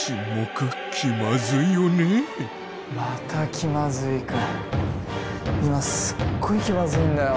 また気まずいくん今すっごい気まずいんだよ。